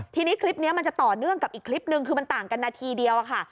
ทีนี้คลิปนี้มันจะต่อเนื่องกับอีกคลิปนึงคือมันต่างกันนาทีเดียวอะค่ะ